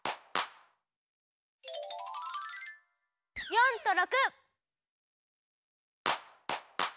４と６！